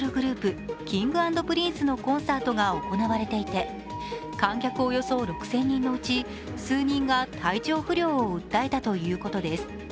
この会場ではアイドルグループＫｉｎｇ＆Ｐｒｉｎｃｅのコンサートが行われていて観客およそ６０００人のうち数人が体調不良を訴えたということです。